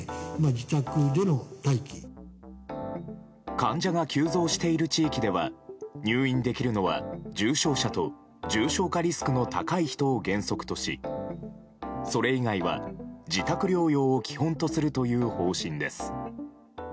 患者が急増している地域では入院できるのは重症者と重症化リスクの高い人を原則としそれ以外は自宅療養を基本とするという方針です。